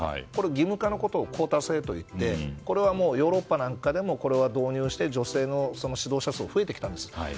義務化のことをクオータ制といってこれはヨーロッパでも導入して女性の指導者数は増えてきたんです。